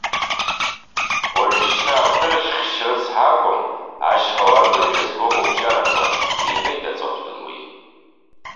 Ожәшьҭа акәтрыхьшь рыцҳа акәым, ашьха уарбажә иазгом укәҷарақәа, иҳәеит аҵыхәтәан уи.